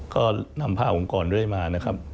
ก็นำพาองค์กรเรื่อยมานะครับ